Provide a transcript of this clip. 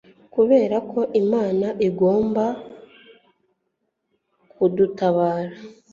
Kuberako Imana igomba kudutabara